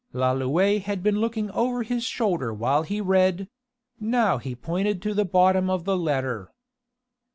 '" Lalouët had been looking over his shoulder while he read: now he pointed to the bottom of the letter.